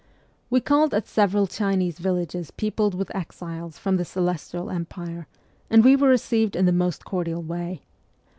We called at several Chinese villages peopled with exiles from the celestial empire, and we were received in the most cordial way.